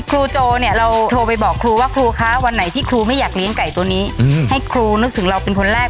ไก่ตัวนี้อืมให้ครูนึกถึงเราเป็นคนแรก